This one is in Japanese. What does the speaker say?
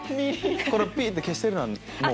このピって消してるのはもう？